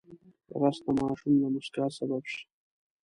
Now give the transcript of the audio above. رس د ماشوم د موسکا سبب شي